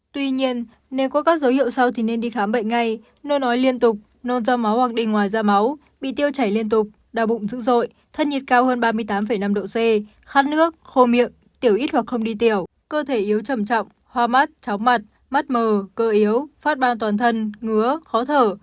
tuy nhiên nếu có các dấu hiệu sau thì nên đi khám bệnh ngay nôn nói liên tục nôn do máu hoặc đi ngoài da máu bị tiêu chảy liên tục đau bụng dữ dội thân nhiệt cao hơn ba mươi tám năm độ c khát nước khô miệng tiểu ít hoặc không đi tiểu cơ thể yếu trầm trọng ho mắt cháu mặt mắt mờ cơ yếu phát ban toàn thân ngứa khó thở